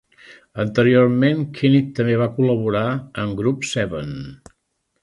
Anteriorment, Grkinich també va col·laborar amb Group Seven.